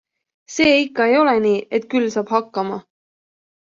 See ikka ei ole nii, et küll saab hakkama.